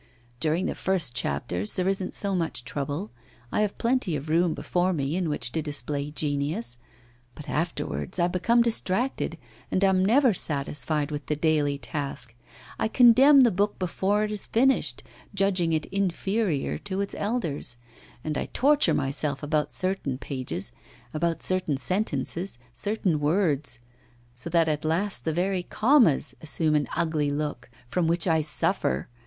During the first chapters there isn't so much trouble. I have plenty of room before me in which to display genius. But afterwards I become distracted, and am never satisfied with the daily task; I condemn the book before it is finished, judging it inferior to its elders; and I torture myself about certain pages, about certain sentences, certain words, so that at last the very commas assume an ugly look, from which I suffer.